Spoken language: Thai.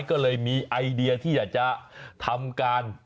ก็เลยมีไอเดียที่อยากจะทำการ